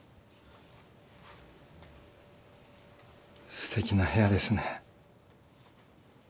すてきな部屋ですね。